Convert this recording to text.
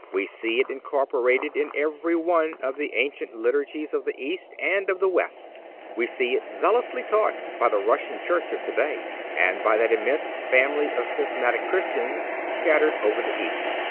We see it incorporated in every one of the ancient Liturgies of the East and of the West. We see it zealously taught by the Russian church of today, and by that immense family of schismatic Christians scattered over the East.